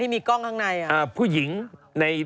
ถ้าที่กล้องข้างใน